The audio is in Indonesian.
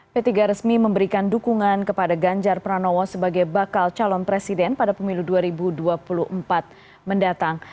p tiga resmi memberikan dukungan kepada ganjar pranowo sebagai bakal calon presiden pada pemilu dua ribu dua puluh empat mendatang